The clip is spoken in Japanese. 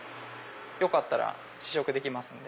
よかったら試食できますんで。